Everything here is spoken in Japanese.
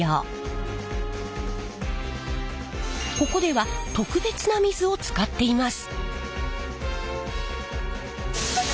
ここでは特別な水を使っています。